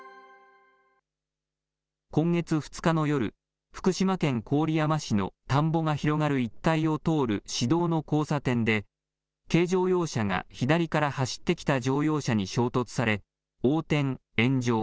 今月２日の夜、福島県郡山市の田んぼが広がる一帯を通る市道の交差点で、軽乗用車が左から走ってきた乗用車に衝突され、横転・炎上。